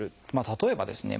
例えばですね